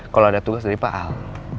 kalau ada tugas dari pak ahok